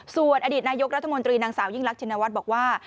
ส่วนอดีตนายกรัฐมนตรีนางสาวยิ่งรักชินวัฒน์บอกว่า